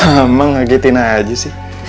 mama ngegitin aja sih